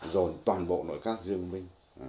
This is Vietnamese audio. rồn toàn bộ nội các riêng mình